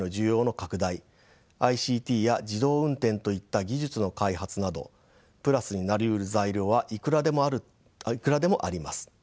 ＩＣＴや自動運転といった技術の開発などプラスになりうる材料はいくらでもあります。